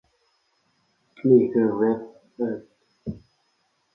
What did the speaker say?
นี่คือหน้าเวบของหน่วยงานที่อยากจะเก็บข้อมูลสำเนาบัตรประชาชนให้เรา ความปลอดภัยสูงมากเลย